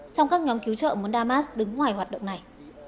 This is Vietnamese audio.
song các nhóm cứu trợ muốn damas đứng ngoài hoạt động này